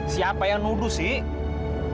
siapa yang nuduh sih